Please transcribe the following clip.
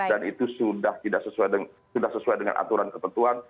dan itu sudah tidak sesuai dengan aturan ketentuan